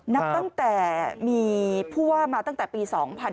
นับตั้งแต่มีผู้ว่ามาตั้งแต่ปี๒๕๕๙